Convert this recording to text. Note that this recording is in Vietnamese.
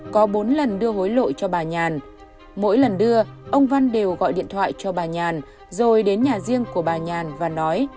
có bốn lần đưa hối lộ cho bà nhàn mỗi lần đưa ông văn đều gọi điện thoại cho bà nhàn rồi đến nhà riêng của bà nhàn và nói